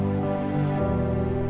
sampai jumpa lagi